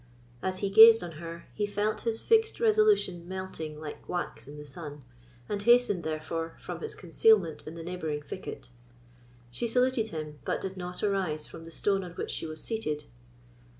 As he gazed on her, he felt his fixed resolution melting like wax in the sun, and hastened, therefore, from his concealment in the neighbouring thicket. She saluted him, but did not arise from the stone on which she was seated.